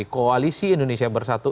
koalisi indonesia bersatu